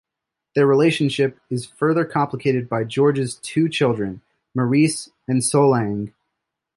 The relationship is further complicated by George's two children: Maurice and Solange.